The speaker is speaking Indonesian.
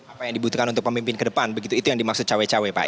apa yang dibutuhkan untuk pemimpin kedepan begitu itu yang dimaksud cawe cawe pak ya